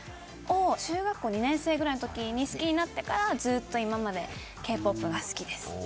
中学校２年生ぐらいのときに好きになってからずっと、今までＫ‐ＰＯＰが好きです。